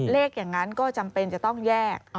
อย่างนั้นก็จำเป็นจะต้องแยก